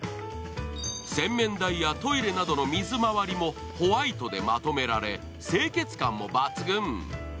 洗面台やトイレなどの水まわりもホワイトでまとめられ清潔感も抜群。